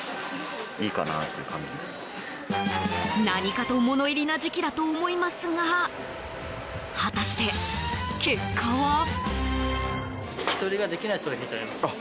何かと物入りな時期だと思いますが果たして結果は。